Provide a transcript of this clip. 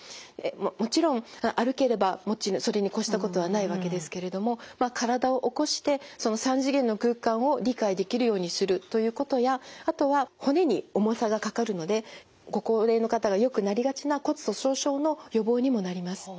もちろん歩ければそれに越したことはないわけですけれどもまあ体を起こしてその３次元の空間を理解できるようにするということやあとは骨に重さがかかるのでご高齢の方がよくなりがちな骨粗しょう症の予防にもなります。